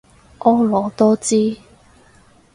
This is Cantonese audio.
婀娜多姿